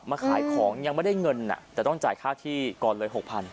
ขายของยังไม่ได้เงินแต่ต้องจ่ายค่าที่ก่อนเลย๖๐๐